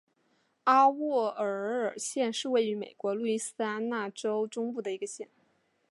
阿沃耶尔县是位于美国路易斯安那州中部的一个县。